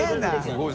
すごい。